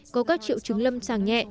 có các triệu chứng lâm tràng nhẹ